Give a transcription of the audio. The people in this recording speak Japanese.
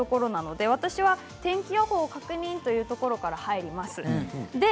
私は天気予報を確認というところから入ります。